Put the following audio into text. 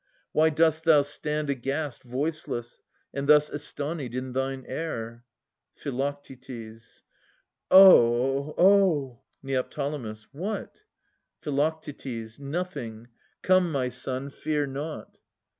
Why dost thou stand aghast, Voiceless, and thus astonied in thine air ? Phi. Oh! oh! Neo. What ? Phi. Nothing. Come my son, fear nought.